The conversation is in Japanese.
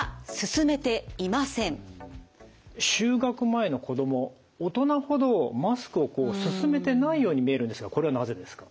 就学前の子ども大人ほどマスクをすすめてないように見えるんですがこれはなぜですか？